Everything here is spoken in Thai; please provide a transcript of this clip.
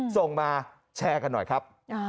ส่งมาแชร์กันหน่อยครับ